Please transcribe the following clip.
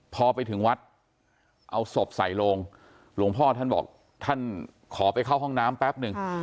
พอไปถึงวัดเอาศพใส่ลงหลวงพ่อท่านบอกท่านขอไปเข้าห้องน้ำแป๊บหนึ่ง